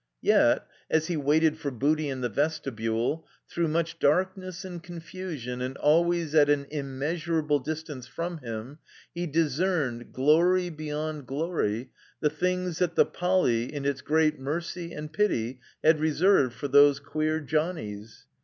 Yet (as he waited for Booty in the vestibtile), through much darkness and confusion, and always at an immeasurable distance from him, he discerned, glory beyond glory, the things that the Poly., in its great mercy and pity, had reserved for those "queer johnnies."